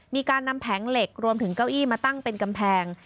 มีการนำแผงเหล็กรวมถึงเก้าอี้มาตั้งเป็นกำแพง